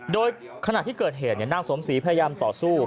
โดยขณะที่เกิดเหตุนางสมศรีพยายามต่อสู้